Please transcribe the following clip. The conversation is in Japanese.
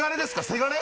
せがれ？